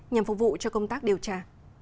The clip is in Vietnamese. nhằm phục vụ cho công tác điều tra